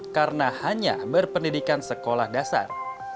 karena hanya berpendidikan sekolah dasar